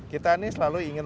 kita ini selalu ingin